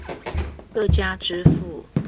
各家支付